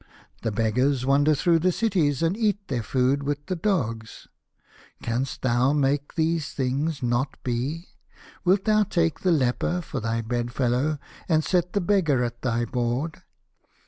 The beggars wander through the cities, and eat their food with the dogs. Canst thou make these things not to be ? Wilt thou take the leper for thy bedfellow, and set the beggar at thy board